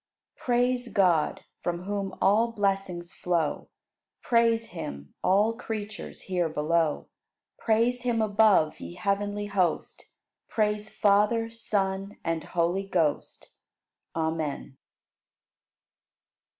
115. Praise God, from whom all blessings flow; Praise Him, all creatures here below; Praise Him above, ye heavenly host: Praise Father, Son, and Holy Ghost. Amen.